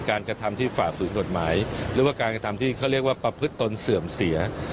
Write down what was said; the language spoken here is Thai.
กระทำที่ฝ่าฝืนกฎหมายหรือว่าการกระทำที่เขาเรียกว่าประพฤติตนเสื่อมเสีย